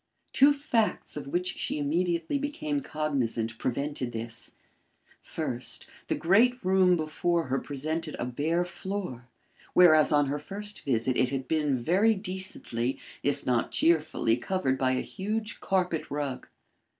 Two facts of which she immediately became cognisant, prevented this. First, the great room before her presented a bare floor, whereas on her first visit it had been very decently, if not cheerfully, covered by a huge carpet rug.